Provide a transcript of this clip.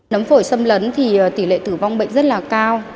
nấm phổi xâm lấn thì tỷ lệ tử vong bệnh rất là cao